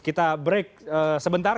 kita break sebentar